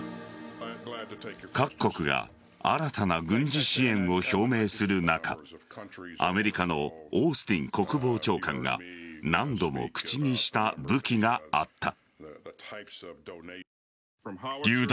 各国が新たな軍事支援を表明する中アメリカのオースティン国防長官が何度も口にした武器があった。